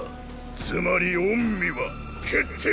つまり御身は決定！